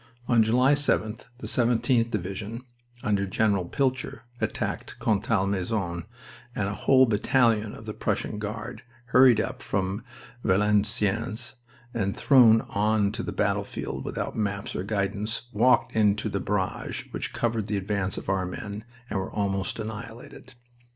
On July 7th the 17th Division, under General Pilcher, attacked Contalmaison, and a whole battalion of the Prussian Guard hurried up from Valenciennes and, thrown on to the battlefield without maps or guidance, walked into the barrage which covered the advance of our men and were almost annihilated.